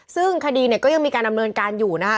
ซึ่งคดีเนี่ยก็ยังมีการดำเนินการอยู่นะคะ